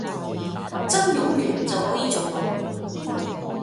真冗員就可以做到